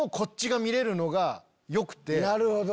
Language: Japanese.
なるほど。